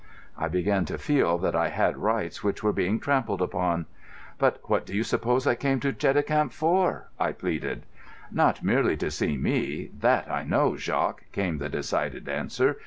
I began to feel that I had rights which were being trampled upon. "But what do you suppose I came to Cheticamp for?" I pleaded. "Not merely to see me—that I know, Jacques," came the decided answer.